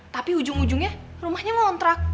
tapi ujung ujungnya rumahnya ngontrak